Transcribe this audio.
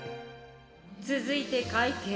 続いて会計。